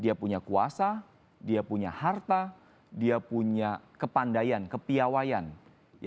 dia punya kuasa dia punya harta dia punya kepandaian kepiawayan